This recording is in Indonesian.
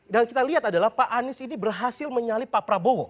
dan kita lihat adalah pak anies ini berhasil menyalip pak prabowo